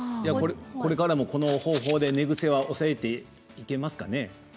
これからもこの方法で寝ぐせをおさえていけますかね？